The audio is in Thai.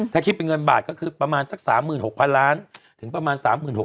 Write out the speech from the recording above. ถ้าคิดเป็นเงินบาทก็คือประมาณ๓๖๐๐๐๐๐๓๗๐๐๐๐๐ล้าน